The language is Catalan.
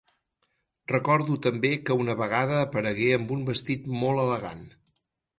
Recordo també que una vegada aparegué amb un vestit molt elegant.